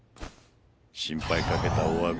心配かけたお詫び。